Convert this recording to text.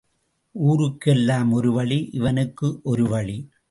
ஊராருக்கெல்லாம் ஒரு வழி இவனுக்கு ஒரு வழி.